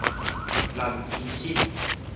濫真實